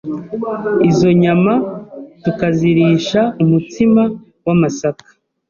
izo nyama tukazirisha umutsima w’amasaka